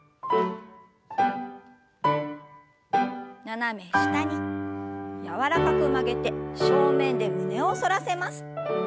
斜め下に柔らかく曲げて正面で胸を反らせます。